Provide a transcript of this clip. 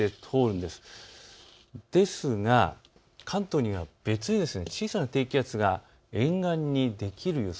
ですが、関東には別に小さな低気圧が沿岸にできる予想。